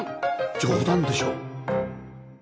冗談でしょ？